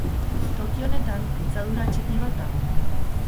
Toki honetan, pitzadura txiki bat dago.